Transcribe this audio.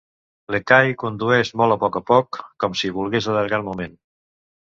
L'Ekahi condueix molt a poc a poc, com si volgués allargar el moment.